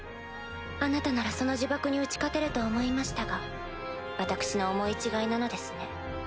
あなたならその呪縛に打ち勝てると思いましたが私の思い違いなのですね。